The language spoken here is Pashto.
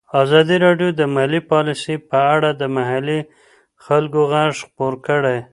ازادي راډیو د مالي پالیسي په اړه د محلي خلکو غږ خپور کړی.